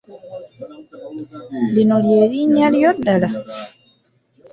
Lino ly’erinnya lyo ddala.